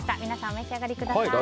お召し上がりください。